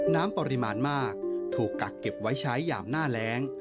น้ำปริมาณมากถูกกักเก็บไว้ใช้ยามหน้าแรง